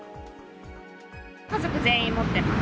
家族全員持ってます。